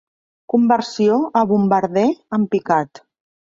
Conversió a bombarder en picat.